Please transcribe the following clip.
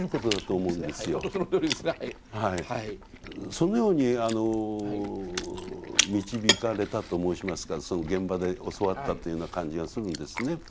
そのように導かれたと申しますかその現場で教わったというような感じがするんですね。